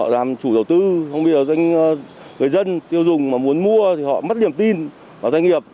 làm chủ đầu tư không biết là doanh người dân tiêu dùng mà muốn mua thì họ mất niềm tin vào doanh nghiệp